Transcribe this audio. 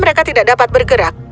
mereka tidak dapat bergerak